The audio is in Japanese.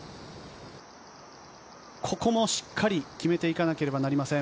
ここもしっかり決めていかなければなりません。